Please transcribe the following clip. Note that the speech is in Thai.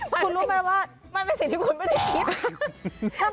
คุณรู้ไหมว่ามันเป็นสิ่งที่คุณไม่ได้คิด